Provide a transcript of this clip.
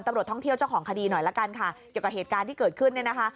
ตำรวจท่องเที่ยวเจ้าของคดีหน่อยละกันค่ะเกี่ยวกับเหตุการณ์ที่เกิดขึ้นเนี่ยนะคะ